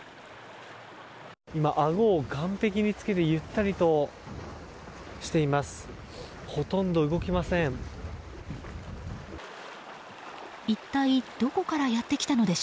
今、あごを岸壁につけてゆったりとしています。